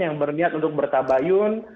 yang berniat untuk bertabayun